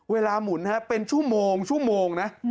หมุนเป็นชั่วโมงชั่วโมงนะ